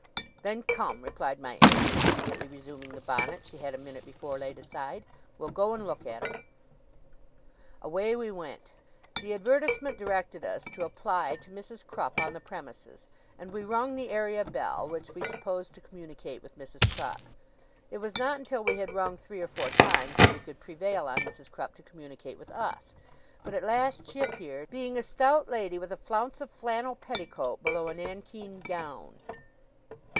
'Then come,' replied my aunt, immediately resuming the bonnet she had a minute before laid aside. 'We'll go and look at 'em.' Away we went. The advertisement directed us to apply to Mrs. Crupp on the premises, and we rung the area bell, which we supposed to communicate with Mrs. Crupp. It was not until we had rung three or four times that we could prevail on Mrs. Crupp to communicate with us, but at last she appeared, being a stout lady with a flounce of flannel petticoat below a nankeen gown.